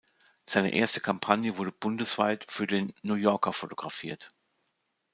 Seine erste Kampagne wurde bundesweit für den "New Yorker" fotografiert.